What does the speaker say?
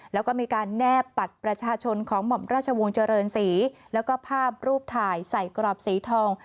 แล้วก็มีการแนบบัตรประชาชนของหม่อมราชวงศ์เจริญศรีแล้วก็ภาพรูปถ่ายใส่กรอบสีทอง